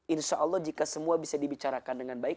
insya allah jika semua bisa dibicarakan dengan baik